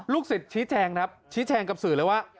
ลูกศิษย์ชี้แชงชี้แชงกับสื่อเลยว่า